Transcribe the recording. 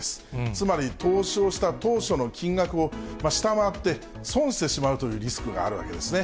つまり投資をした当初の金額を下回って、損してしまうというリスクがあるわけですね。